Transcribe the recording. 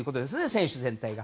選手全体が。